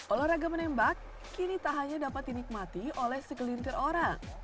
olahraga menembak kini tak hanya dapat dinikmati oleh segelintir orang